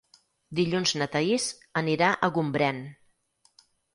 Dilluns na Thaís anirà a Gombrèn.